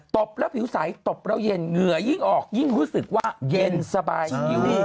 บแล้วผิวใสตบแล้วเย็นเหงื่อยิ่งออกยิ่งรู้สึกว่าเย็นสบายชิว